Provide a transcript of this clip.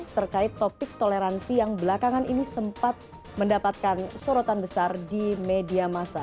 terkait topik toleransi yang belakangan ini sempat mendapatkan sorotan besar di media masa